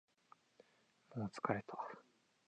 もう疲れた